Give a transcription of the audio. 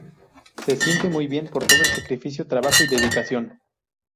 Se siente muy bien por todo el sacrificio, trabajo y dedicación.